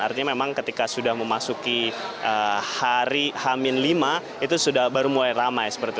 artinya memang ketika sudah memasuki hari hamin lima itu sudah baru mulai ramai